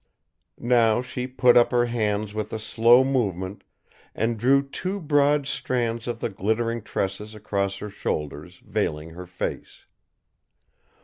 Now she put up her hands with a slow movement and drew two broad strands of the glittering tresses across her shoulders, veiling her face.